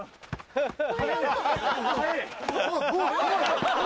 ハハハ！